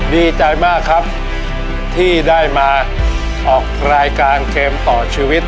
ดีใจมากครับที่ได้มาออกรายการเกมต่อชีวิต